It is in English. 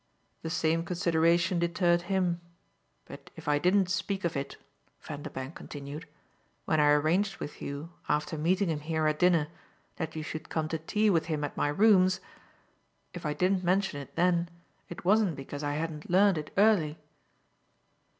"The same consideration deterred him. But if I didn't speak of it," Vanderbank continued, "when I arranged with you, after meeting him here at dinner, that you should come to tea with him at my rooms if I didn't mention it then it wasn't because I hadn't learnt it early."